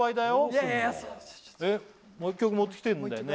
いやいやもう１曲持ってきてるんだよね？